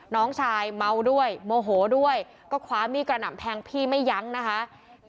น้องชายเมาด้วยโมโหด้วยก็คว้ามีดกระหน่ำแทงพี่ไม่ยั้งนะคะ